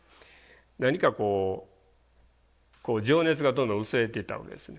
何かこう情熱がどんどん薄れていったわけですね。